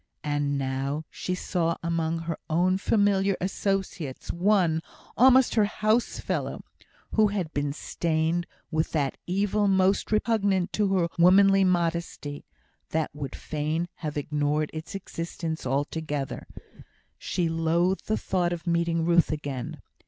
And now she saw among her own familiar associates one, almost her housefellow, who had been stained with that evil most repugnant to her womanly modesty, that would fain have ignored its existence altogether. She loathed the thought of meeting Ruth again.